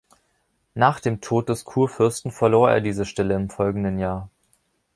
Nach dem Tod des Kurfürsten verlor er diese Stelle im folgenden Jahr.